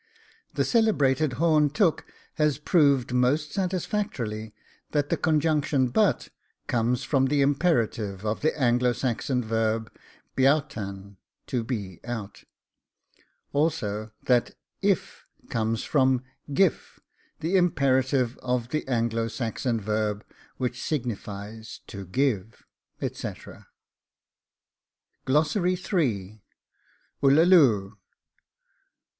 The celebrated Horne Tooke has proved most satisfactorily, that the conjunction but comes from the imperative of the Anglo Saxon verb (BEOUTAN) TO BE OUT; also, that IF comes from GIF, the imperative of the Anglo Saxon verb which signifies TO GIVE, etc. . WHILLALUH.